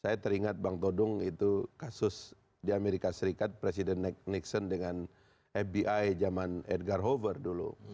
saya teringat bang todung itu kasus di amerika serikat presiden nixon dengan fbi zaman edgarhover dulu